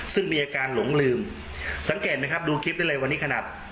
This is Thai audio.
ซึ่งมีอาการหลงลืมสังเกตไหมครับดูคลิปได้เลยวันนี้ขนาด